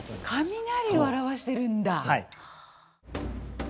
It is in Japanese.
雷を表してるんだ。